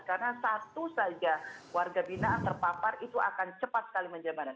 karena satu saja warga binaan terpapar itu akan cepat sekali menjelaskan